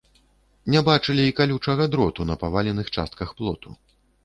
Не бачылі і калючага дроту на паваленых частках плоту.